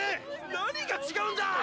何が違うんだッ！